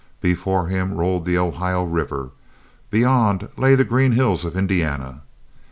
Before him rolled the Ohio River, beyond lay the green hills of Indiana.